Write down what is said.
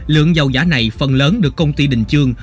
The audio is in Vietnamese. lượng dầu giả này phần lớn được công ty đình trương